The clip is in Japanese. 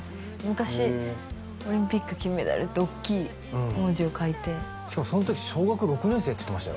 昔すごっ「オリンピック金メダル」っておっきい文字を書いてその時小学６年生って言ってましたよ